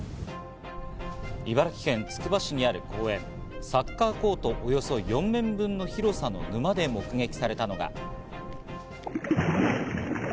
茨城県つくば市にある公園、サッカーコートおよそ４面分の広さの沼で目撃されたのが。